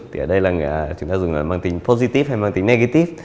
thì ở đây chúng ta dùng là bằng tính positive hay bằng tính negative